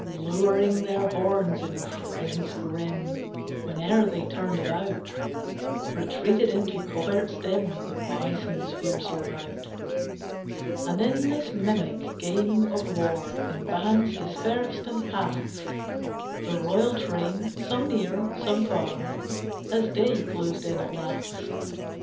Lowering their horns in crescents grim Whene'er they turned about, Retreated into coverts dim The bisons' fiercer rout. And in this mimic game of war In bands dispersed and past The royal train, some near, some far, As day closed in at last.